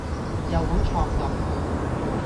又好 chok 咁⠀⠀